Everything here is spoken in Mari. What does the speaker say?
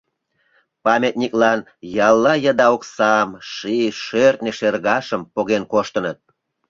Памятниклан ялла еда оксам, ший, шӧртньӧ шергашым поген коштыныт.